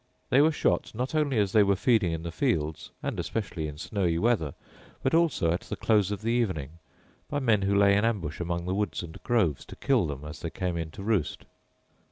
They were shot not only as they were feeding in the fields, and especially in snowy weather, but also at the close of the evening, by men who lay in ambush among the woods and groves to kill them as they came in to roost.